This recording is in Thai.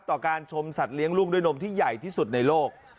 ต่อการชมสัตว์เลี้ยงลูกด้วยนมที่ใหญ่ที่สุดในโลก